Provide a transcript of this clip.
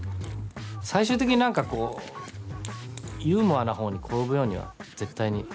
最終的に何かこうユーモアなほうに転ぶようには絶対にしてるんで。